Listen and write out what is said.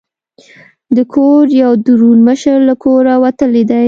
د کور یو دروند مشر له کوره وتلی دی.